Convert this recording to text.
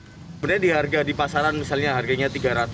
kemudian di harga di pasaran misalnya harganya tiga ratus